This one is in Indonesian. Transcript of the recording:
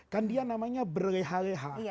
kan dia namanya berleha leha